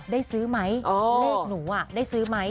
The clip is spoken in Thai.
ได้ซื้อไหมเลขหนูได้ซื้อไหม